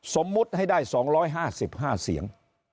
สมมุติให้ได้๒๕๕เสียง